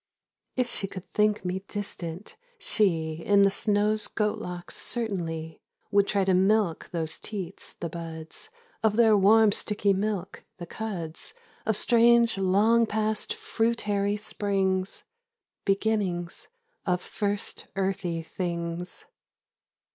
If she could think me distant, she In the snow's sjoat locks certainly Would try to milk those teats the buds Of their warm sticky milk — the cuds Of strange long past fruit hairy springs Beginnings of first earthy things